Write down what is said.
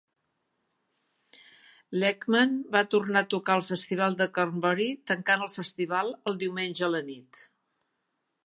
Lakeman va tornar a tocar el Festival de Cornbury, tancant el Festival el diumenge a la nit.